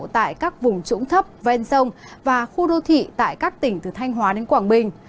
tại các vùng trũng thấp ven sông và khu đô thị tại các tỉnh từ thanh hóa đến quảng bình